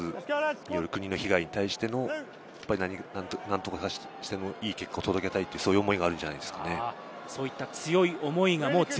その国への被害に対して何とかして、いい結果を届けたいという思いがあるんじゃないでしょうか。